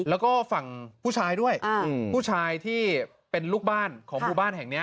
แล้วก็ฝั่งผู้ชายด้วยผู้ชายที่เป็นลูกบ้านของหมู่บ้านแห่งนี้